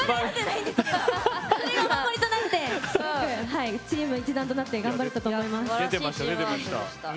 それがお守りとなってすごくチーム一丸となって頑張れたと思います。